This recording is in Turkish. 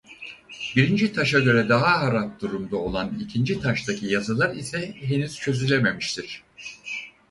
Birinci taşa göre daha harap durumda olan ikinci taştaki yazılar ise henüz çözülememiştir.